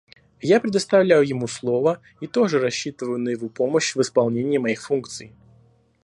Я предоставляю ему слово и тоже рассчитываю на его помощь в исполнении моих функций.